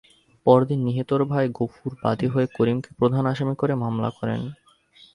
পরদিন নিহতের ভাই গফুর বাদী হয়ে করিমকে প্রধান আসামি করে মামলা করেন।